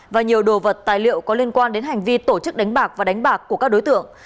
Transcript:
và nhiều đồ vật tài liệu có liên quan đến hành vi tổ chức đánh bạc và đánh bạc của các đối tượng